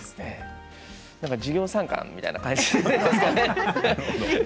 なんか授業参観みたいな感じですかね。